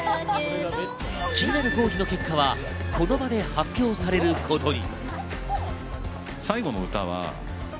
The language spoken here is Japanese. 気になる合否の結果はこの場で発表されることに。